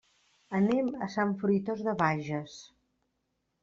Anem a Sant Fruitós de Bages.